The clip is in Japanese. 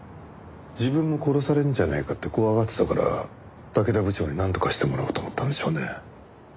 自分も殺されるんじゃないかって怖がってたから竹田部長になんとかしてもらおうと思ったんでしょうね。